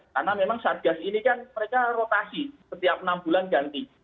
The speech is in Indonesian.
karena memang satgas ini kan mereka rotasi setiap enam bulan ganti